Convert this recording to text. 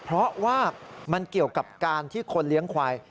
เพราะว่ามันเกี่ยวกับการที่คนเลี้ยงควาย